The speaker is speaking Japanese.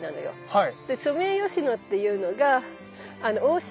はい。